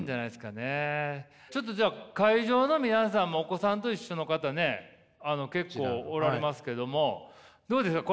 ちょっとじゃあ会場の皆さんもお子さんと一緒の方ね結構おられますけどもどうですか？